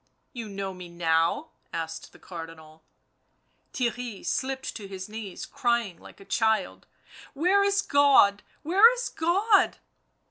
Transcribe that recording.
" You know me now ?" asked the Cardinal. Theirry slipped to his knees, crying like a child. "Where is God? where is God?"